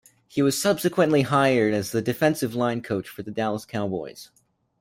He was subsequently hired as the defensive line coach for the Dallas Cowboys.